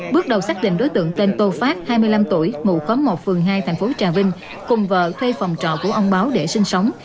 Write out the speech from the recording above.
bước đầu xác định đối tượng tên tô phát hai mươi năm tuổi ngụ khóm một phường hai thành phố trà vinh cùng vợ thuê phòng trọ của ông báo để sinh sống